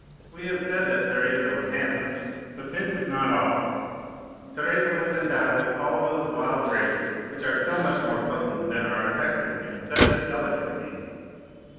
We have said that Teresa was handsome, but this is not all; Teresa was endowed with all those wild graces which are so much more potent than our affected and studied elegancies.